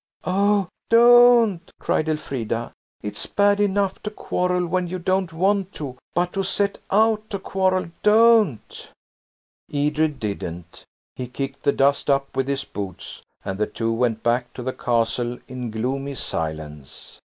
"Oh, don't!" cried Elfrida; "it's bad enough to quarrel when you don't want to, but to set out to quarrel! Don't!" Edred didn't. He kicked the dust up with his boots, and the two went back to the Castle in gloomy silence.